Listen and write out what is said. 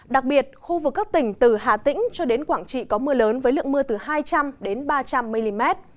đặc biệt khu vực các tỉnh từ hà tĩnh cho đến quảng trị có mưa lớn với lượng mưa từ hai trăm linh ba trăm linh mm